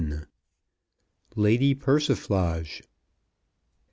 LADY PERSIFLAGE.